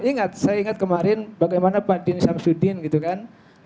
ingat saya ingat kemarin bagaimana pak dini samsuddin gitu kan